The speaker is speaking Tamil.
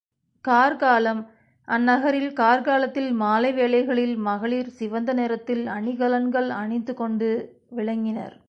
கார் காலம் அந்நகரில் கார்காலத்தில் மாலை வேளைகளில் மகளிர் சிவந்த நிறத்தில் அணிகலன்கள் அணிந்து கொண்டு விளங்கினர்.